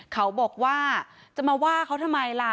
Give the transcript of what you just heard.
เขาบอกว่าจะมาว่าเขาทำไมล่ะ